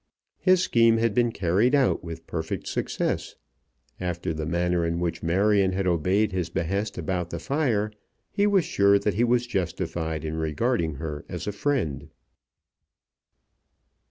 His scheme had been carried out with perfect success. After the manner in which Marion had obeyed his behest about the fire, he was sure that he was justified in regarding her as a friend.